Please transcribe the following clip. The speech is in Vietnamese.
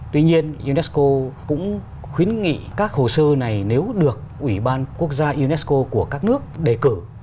tuy nhiên unesco cũng khuyến nghị các hồ sơ này nếu được ủy ban quốc gia unesco của các nước đề cử